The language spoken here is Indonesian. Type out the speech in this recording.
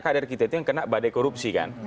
kader kita itu yang kena badai korupsi kan